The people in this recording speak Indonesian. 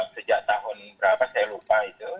sejak tahun berapa saya lupa itu